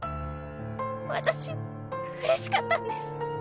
私うれしかったんです。